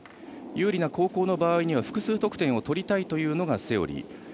有利な後攻の場合には複数得点を取りたいというのがセオリー。